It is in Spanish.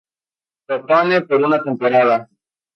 Crotone por una temporada.